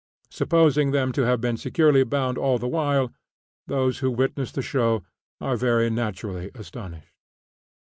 Supposing them to have been securely bound all the while, those who witness the show are very naturally astonished.